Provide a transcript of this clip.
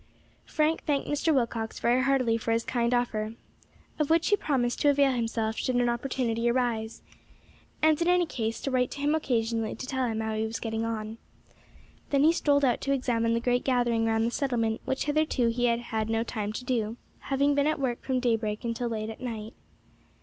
Frank thanked Mr. Willcox very heartily for his kind offer, of which he promised to avail himself should an opportunity arise, and in any case to write to him occasionally to tell him how he was getting on. Then he strolled out to examine the great gathering round the settlement, which hitherto he had had no time to do, having been at work from daybreak until late at night.